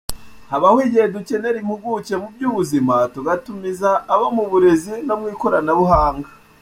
Habaho igihe dukenera impuguke mu by’ubuzima, tugatumiza abo mu burezi no mu ikoranabuhanga.